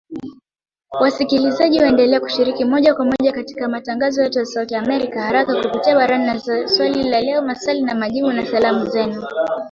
Wasikilizaji waendelea kushiriki moja kwa moja katika matangazo yetu ya Sauti ya Amerika haraka kupitia Barazani na Swali la Leo, Maswali na Majibu, na Salamu Zenu